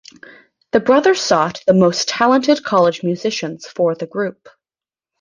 The brothers sought the most talented college musicians for the group.